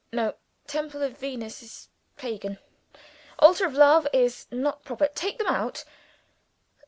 No: Temple of Venus is Pagan; altar of love is not proper take them out.